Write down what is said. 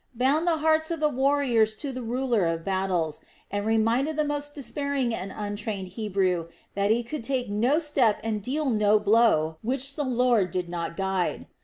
bound the hearts of the warriors to the Ruler of Battles, and reminded the most despairing and untrained Hebrew that he could take no step and deal no blow which the Lord did not guide.